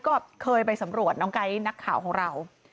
ดอมก็เขิยไปสำรวจน้องใครนักข่าวของเรา